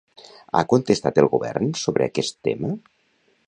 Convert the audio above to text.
Ha contestat el govern sobre aquest tema?